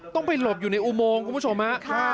ต้องไปหลบอยู่ในอุโมงคุณผู้ชมฮะ